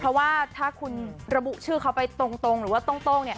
เพราะว่าถ้าคุณระบุชื่อเขาไปตรงหรือว่าโต้ง